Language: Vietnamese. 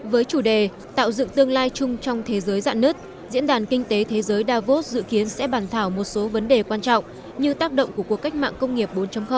với chủ đề tạo dựng tương lai chung trong thế giới dạn nứt diễn đàn kinh tế thế giới davos dự kiến sẽ bàn thảo một số vấn đề quan trọng như tác động của cuộc cách mạng công nghiệp bốn